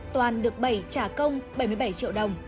toàn được bảy trả công bảy mươi bảy triệu đồng